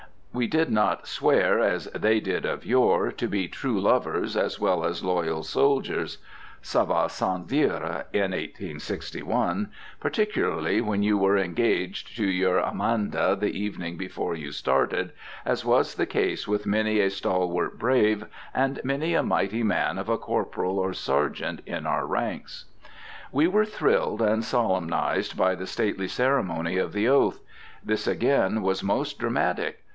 We did not swear, as they did of yore, to be true lovers as well as loyal soldiers. Ça va sans dire in 1861, particularly when you were engaged to your Amanda the evening before you started, as was the case with many a stalwart brave and many a mighty man of a corporal or sergeant in our ranks. We were thrilled and solemnized by the stately ceremony of the oath. This again was most dramatic.